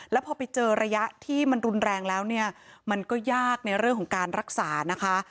แล้วพอไปเจอระยะที่มันรุนแรงแล้วเนี่ยมันก็ยากในเรื่องของการรักษานะคะ